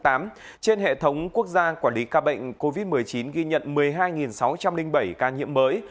trên hệ thống quốc gia quản lý ca bệnh covid một mươi chín ghi nhận một mươi hai sáu trăm linh bảy ca nhiễm mới